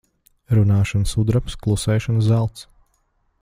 Runāšana sudrabs, klusēšana zelts.